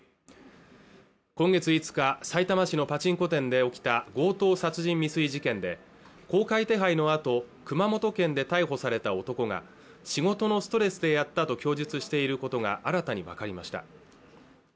今月５日さいたま市のパチンコ店で起きた強盗殺人未遂事件で公開手配のあと熊本県で逮捕された男が仕事のストレスでやったと供述していることが新たに分かりました